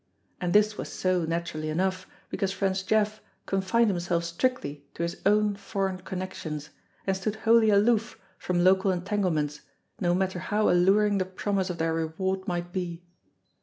And this was so, naturally enough, because French Jeff confined himself strictly to his own foreign connections, and stood wholly aloof from local entanglements no matter how allur ing the promise of their reward might be.